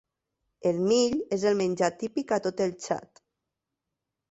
El mill és el menjar típic a tot el Txad.